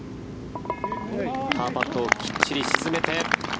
パーパットをきっちり沈めて。